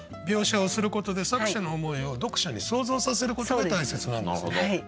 描写をすることで作者の思いを読者に想像させることが大切なんですね。